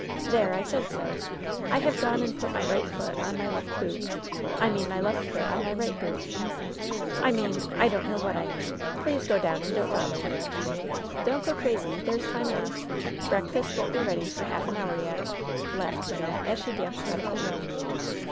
"There I I said so ! I 78 LOVE'S BITTEREST CUP have gone and put my right foot on my left boot! — ^I mean, my left foot on my right boot !— I mean I donH know what I mean! Please go down, and don't bother!" "Don't go crazy; there's time enough. Breakfast won't be ready for half an hour yet," laughed Wynnette, as she danced out of the room.